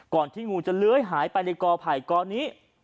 ที่งูจะเลื้อยหายไปในกอไผ่กอนี้